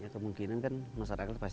kemungkinan masyarakat pasti